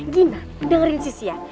gina dengerin sissy ya